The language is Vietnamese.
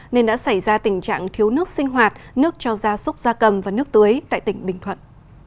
nên đã xảy ra tình trạng thiếu nước sinh hoạt nước cho gia súc gia cầm và nước tưới tại tỉnh bình thuận